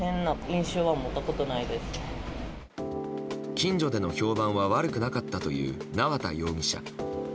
近所での評判は悪くなかったという縄田容疑者。